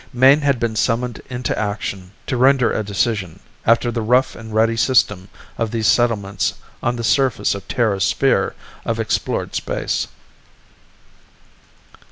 Mayne had been summoned into action to render a decision, after the rough and ready system of these settlements on the surface of Terra's sphere of explored space.